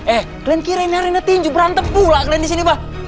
eh kalian kira ini arena tinju berantem pula kalian disini mah